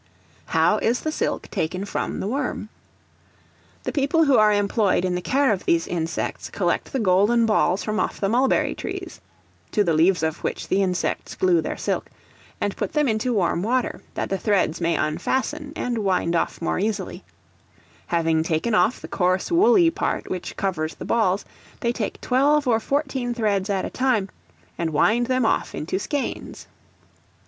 How is the Silk taken from the Worm? The people who are employed in the care of these insects collect the golden balls from off the mulberry trees, (to the leaves of which the insects glue their silk) and put them into warm water, that the threads may unfasten and wind off more easily; having taken off the coarse woolly part which covers the balls, they take twelve or fourteen threads at a time, and wind them off into skeins.